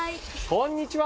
こんにちは。